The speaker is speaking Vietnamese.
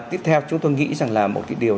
tiếp theo chúng tôi nghĩ rằng là một cái điều